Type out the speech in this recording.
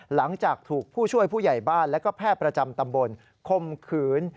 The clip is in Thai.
หลังจากถูกผู้ช่วยผู้ใหญ่บ้านและก็แพทย์ประจำตำบลคมขืน